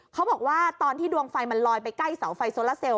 เขาบอกว่าตอนที่ดวงไฟมันลอยไปใกล้เสาไฟโซลาเซลล